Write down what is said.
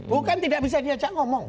bukan tidak bisa diajak ngomong